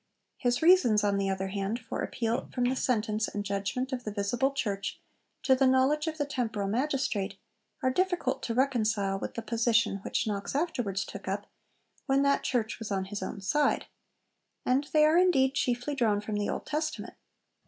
His reasons, on the other hand, for 'appeal from the sentence and judgment of the visible Church to the knowledge of the temporal magistrate' are difficult to reconcile with the position which Knox afterwards took up when that Church was on his own side; and they are indeed chiefly drawn from the Old Testament.